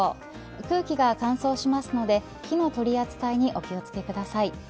空気が乾燥しますので火の取り扱いにお気を付けください。